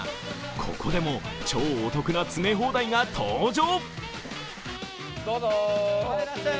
ここでも超お得な詰め放題が登場。